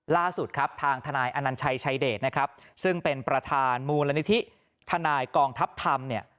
ล่าสุดครับทางทนายอนัญชัยชายเดชนะครับซึ่งเป็นประธานมูลนิธิทนายกองทัพธรรมเนี่ย